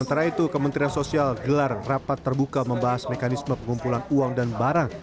sementara itu kementerian sosial gelar rapat terbuka membahas mekanisme pengumpulan uang dan barang